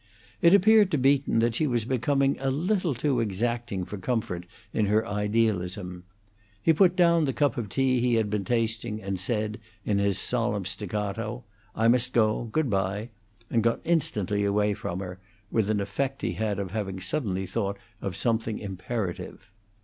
It appeared to Beaton that she was becoming a little too exacting for comfort in her idealism. He put down the cup of tea he had been tasting, and said, in his solemn staccato: "I must go. Good bye!" and got instantly away from her, with an effect he had of having suddenly thought of something imperative.